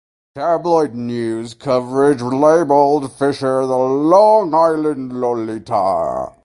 Tabloid news coverage labelled Fisher the "Long Island Lolita".